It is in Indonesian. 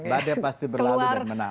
badai pasti berlalu dan menang